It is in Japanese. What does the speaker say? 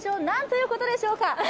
なんということでしょうか！